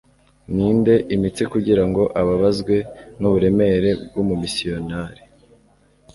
ninde, imitsi kugirango ababazwe n'uburemere bw'ubumisiyonari